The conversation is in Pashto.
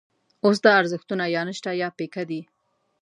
اوس دا ارزښتونه یا نشته یا پیکه دي.